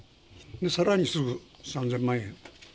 さらにすぐ３０００万円。